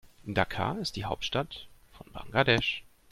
Dhaka ist die Hauptstadt von Bangladesch.